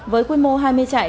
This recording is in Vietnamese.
với quy mô hai mươi trại